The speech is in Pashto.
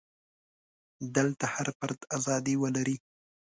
دلته هر فرد ازادي ولري.